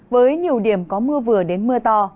với nhiều điểm có mưa vừa đến mưa to